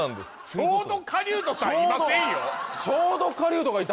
ちょうどなかなかいませんよ